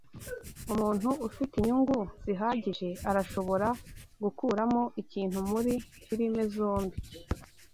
umuntu ufite inyungu zihagije arashobora gukuramo ikintu muri firime zombi